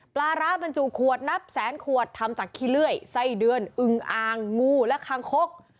ปลาร้าบรรจุขวดนับแสนขวดทำจากขี้เลื่อยไส้เดือนอึงอ่างงูและคางคก